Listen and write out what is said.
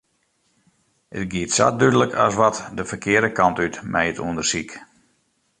It giet sa dúdlik as wat de ferkearde kant út mei it ûndersyk.